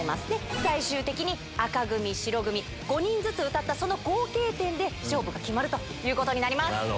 最終的に紅組、白組、５人ずつ歌ったその合計点で勝負が決まるとなるほど。